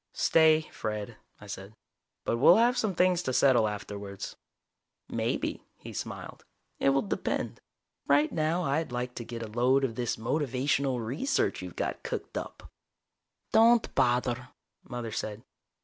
"Stay, Fred," I said. "But we'll have some things to settle afterwards." "Maybe," he smiled. "It will depend. Right now I'd like to get a load of this motivational research you've got cooked up." "Don't bother," Mother said.